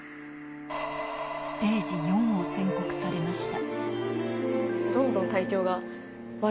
ステージ４を宣告されました。